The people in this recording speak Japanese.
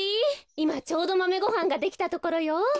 いまちょうどマメごはんができたところよ。